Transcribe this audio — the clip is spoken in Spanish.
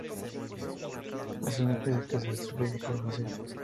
Es una especie que se distribuye por Brasil.